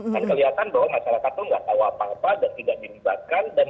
kan kelihatan bahwa masyarakat itu nggak tahu apa apa dan tidak dilibatkan